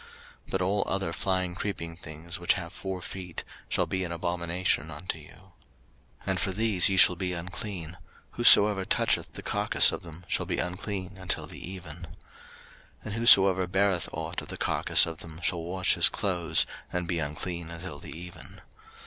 03:011:023 But all other flying creeping things, which have four feet, shall be an abomination unto you. 03:011:024 And for these ye shall be unclean: whosoever toucheth the carcase of them shall be unclean until the even. 03:011:025 And whosoever beareth ought of the carcase of them shall wash his clothes, and be unclean until the even.